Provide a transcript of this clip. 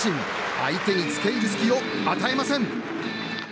相手に付け入る隙を与えません。